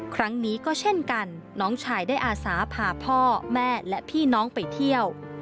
ครั้งนี้ก็เช่นกันน้องชายได้อาสาพาพ่อแม่และพี่น้องไปเที่ยว